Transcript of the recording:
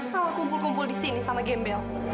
kalau kumpul kumpul di sini sama gembel